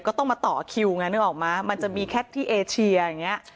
ก็ต้องมาต่อคิวไงนึกออกมั้ยมันจะมีแคทที่เอเชียอย่างเงี้ย